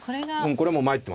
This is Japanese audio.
これもう参ってますね。